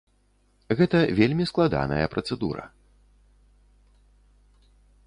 Гэта вельмі складаная працэдура.